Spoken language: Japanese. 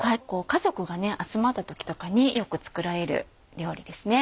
家族が集まった時とかによく作られる料理ですね。